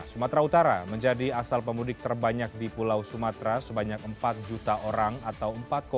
sumatera utara menjadi asal pemudik terbanyak di pulau sumatera sebanyak empat juta orang atau empat lima